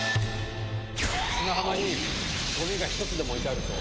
砂浜にごみが１つでも置いてあると。